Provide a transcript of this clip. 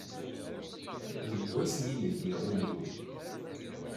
Deg wass mi i m-ldiɣ ul-iw.